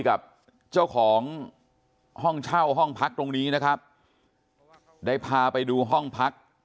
กับเจ้าของห้องเช่าห้องพักตรงนี้นะครับได้พาไปดูห้องพัก